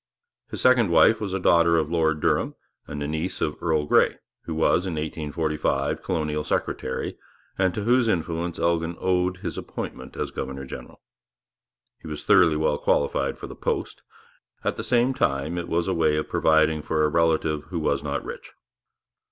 His second wife was a daughter of Lord Durham and a niece of Earl Grey, who was, in 1845, colonial secretary, and to whose influence Elgin owed his appointment as governor general. He was thoroughly well qualified for the post. At the same time it was a way of providing for a relative who was not rich.